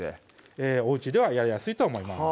おうちではやりやすいと思います